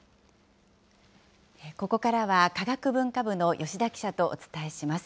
ここからは科学文化部の吉田記者とお伝えします。